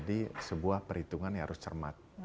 itu kan harus cermat